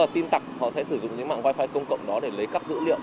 tin tặc sẽ sử dụng những mạng wifi công cộng đó để lấy cắt dữ liệu